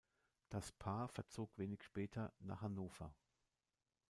Das Paar verzog wenig später nach Hannover.